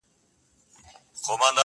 • چي بل چاته څوک کوهی کیني ورلویږي -